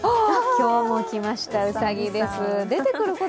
今日も来ました、うさぎです。